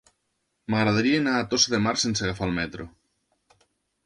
M'agradaria anar a Tossa de Mar sense agafar el metro.